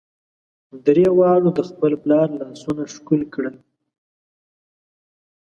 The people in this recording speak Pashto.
درې واړو د خپل پلار لاسونه ښکل کړل.